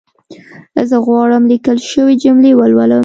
زه غواړم ليکل شوې جملي ولولم